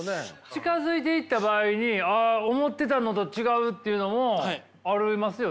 近づいていった場合にああ思ってたのと違うっていうのもありますよね？